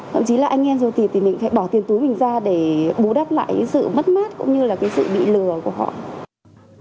thậm chí là anh em ruột thịt thì mình phải bỏ tiền túi mình ra để bù đắp lại cái sự mất mát cũng như là cái sự bị lừa của họ